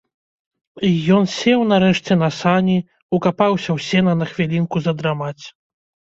Ён сеў нарэшце на сані, укапаўся ў сена на хвілінку задрамаць.